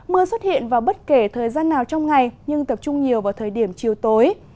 mưa xuất hiện vào bất kể thời gian nào trong ngày nhưng tập trung nhiều vào thời điểm chiều tối